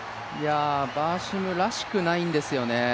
バーシムらしくないんですよね。